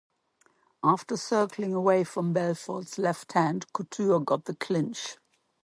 After circling away from Belfort's left hand, Couture got the clinch.